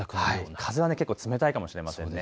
風は結構冷たいかもしれません。